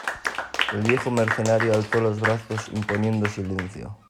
el viejo mercenario alzó los brazos imponiendo silencio: